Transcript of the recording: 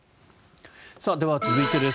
では、続いてです。